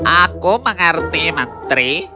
aku mengerti menteri